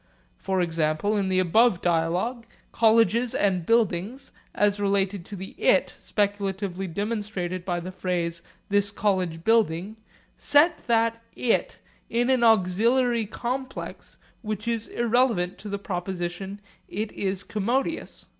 For example, in the above dialogue, colleges and buildings, as related to the 'it' speculatively demonstrated by the phrase 'this college building,' set that 'it' in an auxiliary complex which is irrelevant to the proposition 'It is commodious.'